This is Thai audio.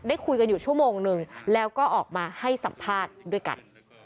คุยกันอยู่ชั่วโมงนึงแล้วก็ออกมาให้สัมภาษณ์ด้วยกัน